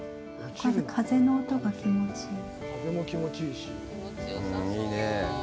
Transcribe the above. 風の音が気持ちいい。